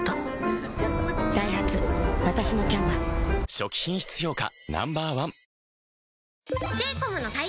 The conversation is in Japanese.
初期品質評価